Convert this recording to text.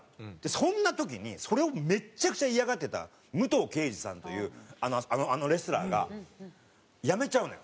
そんな時にそれをめちゃくちゃ嫌がってた武藤敬司さんというあのレスラーが辞めちゃうのよ。